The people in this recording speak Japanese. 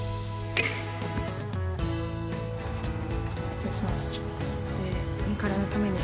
失礼します。